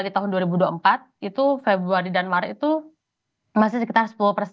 jadi tahun awal di tahun dua ribu dua puluh empat itu februari dan maret itu masih sekitar sepuluh